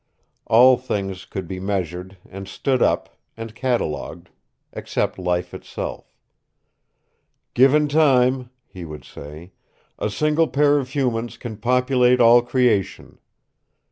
All things could be measured, and stood up, and catalogued except life itself. "Given time," he would say, "a single pair of humans can populate all creation."